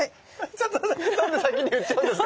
ちょっとなんで先に言っちゃうんですか？